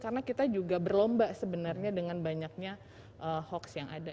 karena kita juga berlomba sebenarnya dengan banyaknya hoax yang ada